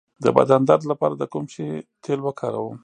د بدن درد لپاره د کوم شي تېل وکاروم؟